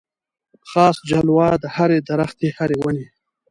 خاص جلوه د هري درختي هري وني